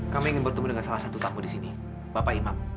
kami ingin bertemu dengan salah satu tamu di sini bapak imam